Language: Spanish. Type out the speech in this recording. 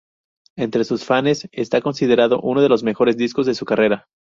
Entre sus fanes está considerado uno de los mejores discos de su carrera.